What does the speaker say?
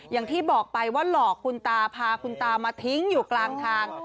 อย่างที่บอกไปว่าหลอกคุณตาพาคุณตามาทิ้งอยู่กลางทาง